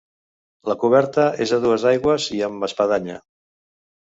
La coberta és a dues aigües i amb espadanya.